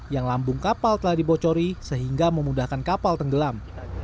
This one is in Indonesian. yang lambung kapal telah dibocori sehingga memudahkan kapal tenggelam